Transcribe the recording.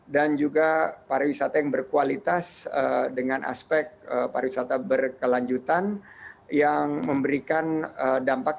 dan juga pariwisata yang berkualitas dengan aspek pariwisata berkelanjutan yang memberikan dampak